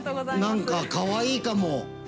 何かかわいいかも。